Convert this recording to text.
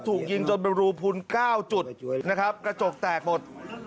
ถูกยิงจนเป็นรูพุน๙จุดนะครับกระจกแตกหมด